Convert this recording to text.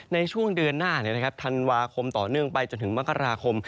ในช่วงเดือนหน้าธันวาคมต่อเนื่องไปจนถึงมกราคม